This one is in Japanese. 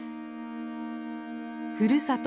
ふるさと